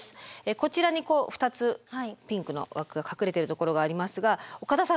こちらにこう２つピンクの枠が隠れてるところがありますが岡田さん